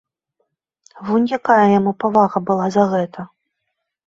Вунь якая яму павага была за гэта!